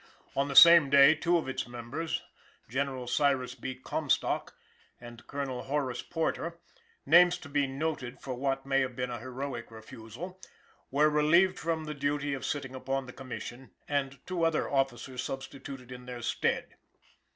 On the same day, two of its members, General Cyrus B. Comstock and Colonel Horace Porter names to be noted for what may have been a heroic refusal were relieved from the duty of sitting upon the Commission, and two other officers substituted in their stead.